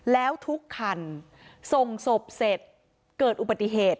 แล้วทุกคันส่งศพเสร็จเกิดอุบัติเหตุ